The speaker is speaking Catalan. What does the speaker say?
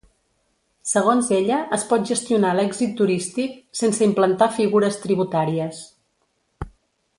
Segons ella, es pot gestionar l’èxit turístic ‘sense implantar figures tributàries’.